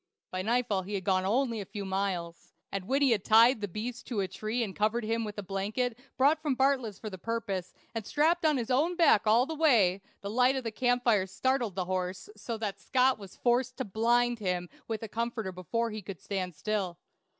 By nightfall he had gone only a few miles, and when he had tied the beast to a tree and covered him with a blanket brought from Bartlett's for the purpose, and strapped on his own back all the way, the light of the camp fire startled the horse so that Scott was forced to blind him with a comforter before he would stand still.